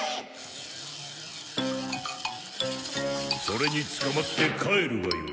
それにつかまって帰るがよい。